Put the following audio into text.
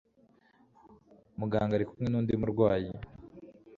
Muganga ari kumwe nundi murwayi.